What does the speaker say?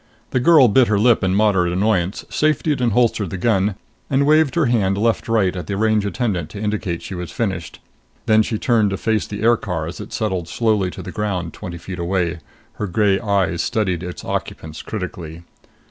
The girl bit her lip in moderate annoyance, safetied and holstered the gun and waved her hand left right at the range attendant to indicate she was finished. Then she turned to face the aircar as it settled slowly to the ground twenty feet away. Her gray eyes studied its occupants critically.